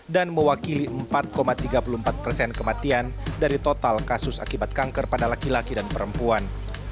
dan mewakili empat tiga puluh empat persen kematian dari total kasus akibat kanker pada laki laki dan perempuan